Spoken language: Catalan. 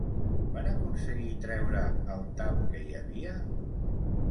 Van aconseguir treure el tap que hi havia?